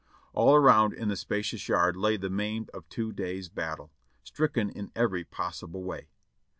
All around in the spacious yard lay the maimed of two days' battle, stricken in every possible way.